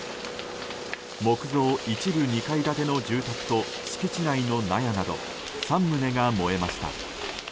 木造一部２階建ての住宅と敷地内の納屋など３棟が燃えました。